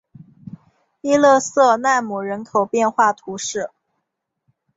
伊勒瑟奈姆人口变化图示